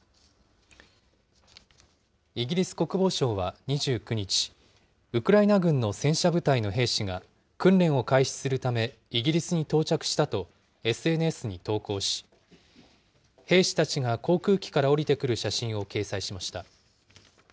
イギリス国防省は２９日、ウクライナ軍の戦車部隊の兵士が訓練を開始するためイギリスに到着したと、ＳＮＳに投稿し、兵士たちが航空機から降りてくる写真を掲載しました。